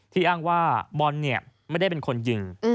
ที่อ้างว่าบ่อนเนี่ยไม่ได้เป็นคนยิง